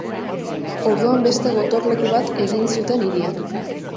Orduan beste gotorleku bat egin zuten hirian.